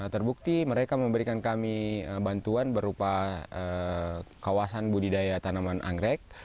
terbukti mereka memberikan kami bantuan berupa kawasan budidaya tanaman anggrek